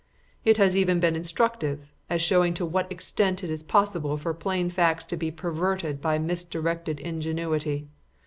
It has even been instructive, as showing to what extent it is possible for plain facts to be perverted by misdirected ingenuity.